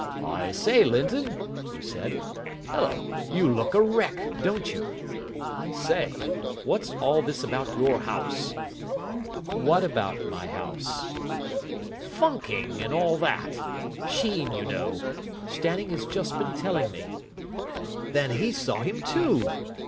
"I say, Linton," he said, " hullo, you look a wreck, don't you! I say, what's all this about your house?" "What about my house?" "Funking, and all that. Sheen, you know. Stanning has just been telling me." "Then he saw him, too!"